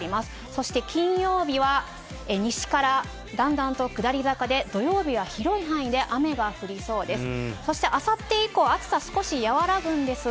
そして金曜日は、西からだんだんと下り坂で、土曜日は広い範囲で雨が降りそうです。